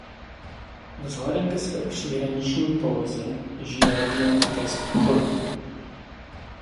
Vzhledem ke své příhraniční poloze žije region také z obchodu.